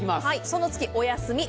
その月、お休み。